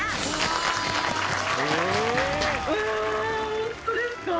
ホントですか？